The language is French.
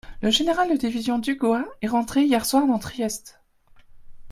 Le général de division Dugua est entré hier soir dans Trieste.